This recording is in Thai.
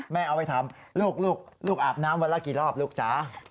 แม่เอาไว้ทำลูกอาบน้ำวันละกี่รอบลูกจ๊ะ